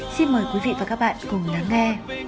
xin mời quý vị và các bạn cùng lắng nghe